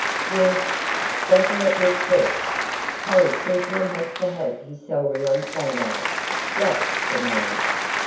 "Yes, doesn't it look fresh. Harry simply has to have his celery on Sunday, drat the man!"